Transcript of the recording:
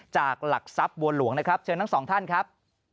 จากหลักทรัพย์บัวหลวงนะครับเชิญทั้งสองท่านครับ